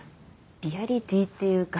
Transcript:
リアリティーっていうか